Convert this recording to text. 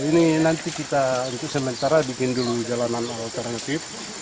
ini nanti kita untuk sementara bikin dulu jalanan alternatif